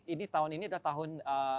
ini tahun ini adalah tahun